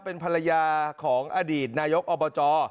เป็นภรรยาของอดีตนายกอบจ